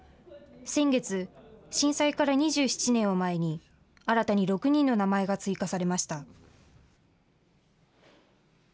先月、震災から２７年を前に、新たに６人の名前が追加されました。